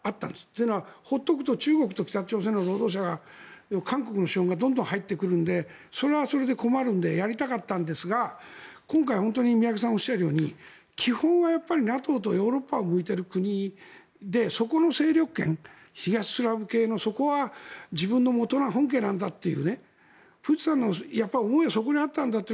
というのは放っておくと中国の北朝鮮の労働者が韓国の資本がどんどん入ってくるのでそれは困るのでやりたかったんですが今回、本当に宮家さんがおっしゃるように基本はＮＡＴＯとヨーロッパを向いてる国でそこの勢力圏東スラブ系のそこは自分の本家なんだっていうプーチンさんの思いはそこにあったんだと